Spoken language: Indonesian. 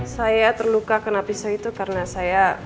saya terluka kena pisau itu karena saya